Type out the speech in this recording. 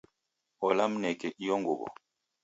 Ola, mneke iyo nguwo.